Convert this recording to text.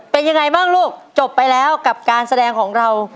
เป็นยังไงบ้างลูกจบไปแล้วกับการแสดงของเรา